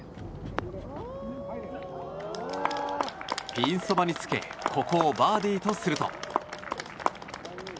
ピンそばにつけここをバーディーとすると。